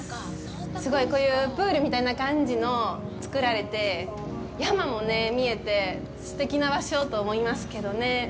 すごい、こういうプールみたいな感じのつくられて、山もね、見えて、すてきな場所と思いますけどね。